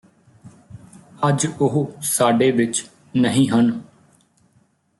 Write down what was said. ਅੱਜ ਉਹ ਸਾਡੇ ਵਿਚ ਨਹੀਂ ਹਨ